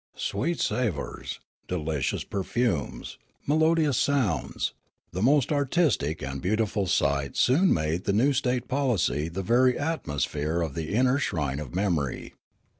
Sweet savours, de licious perfumes, melodious sounds, the most artistic and beautiful sights soon made the new state policy the ver\^ atmosphere of the inner shrine of memorj